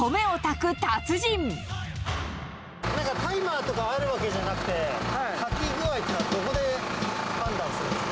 タイマーとかあるわけじゃなくて、炊き具合というのはどこで判断するんですか？